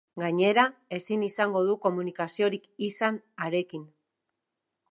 Gainera, ezin izango du komunikaziorik izan harekin.